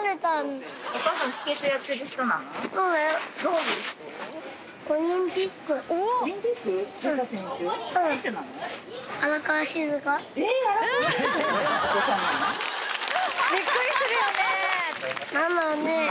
うん。びっくりするよね。